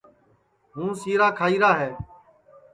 ہُوں سیرا کھائیرا ہے